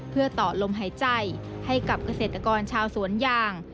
เพื่อต่อลมหายใจให้กับเกษตรกรชาวสวนยาง